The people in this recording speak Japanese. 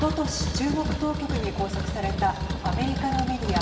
中国当局に拘束されたアメリカのメディア